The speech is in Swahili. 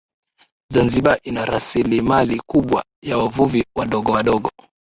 Zanzibar ina rasilimali kubwa ya wavuvi wadogo wadogo